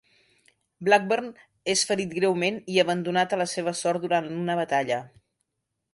Blackburn és ferit greument i abandonat a la seva sort durant una batalla.